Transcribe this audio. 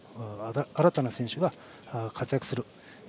新たな選手が活躍する。